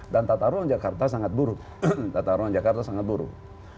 dan tata ruang jakarta sangat buruk